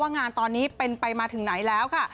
งานตอนนี้เป็นไปมาถึงไหนแล้วค่ะ